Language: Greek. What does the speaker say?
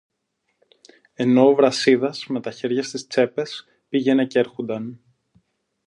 ενώ ο Βρασίδας, με τα χέρια στις τσέπες, πήγαινε κι έρχουνταν